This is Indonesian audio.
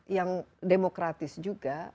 yang demokratis juga